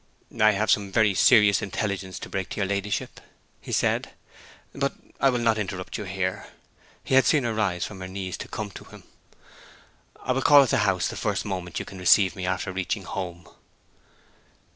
'I have some very serious intelligence to break to your ladyship,' he said. 'But I will not interrupt you here.' (He had seen her rise from her knees to come to him.) 'I will call at the House the first moment you can receive me after reaching home.'